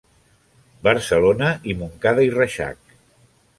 Barcelona i Montcada i Reixac.